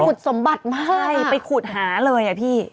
ขุดสมบัติมากไปขุดหาเลยอ่ะพี่